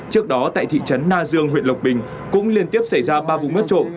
trước đó tại thị trấn na dương huyện lộc bình cũng liên tiếp xảy ra ba vụ mất trộm